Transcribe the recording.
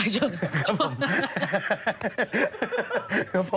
ช่วงนั้น